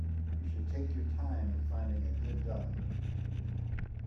You should take your time in finding a good doctor.